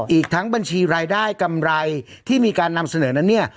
อีกทั้งบัญชีรายได้กำไรที่มีการนำเสนอนั้นเนี่ย